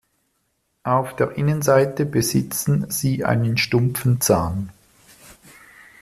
Auf der Innenseite besitzen sie einen stumpfen Zahn.